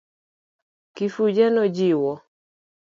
Kifuja nojiwo.